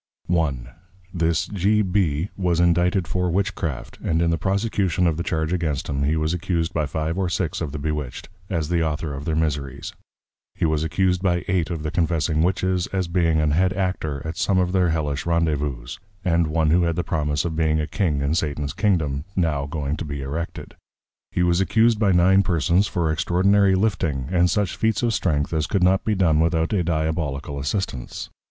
I. This G. B. Was Indicted for Witch craft, and in the prosecution of the Charge against him, he was Accused by five or six of the Bewitched, as the Author of their Miseries; he was Accused by Eight of the Confessing Witches, as being an head Actor at some of their Hellish Randezvouzes, and one who had the promise of being a King in Satan's Kingdom, now going to be Erected: He was accused by Nine Persons for extraordinary Lifting, and such feats of Strength, as could not be done without a Diabolical Assistance.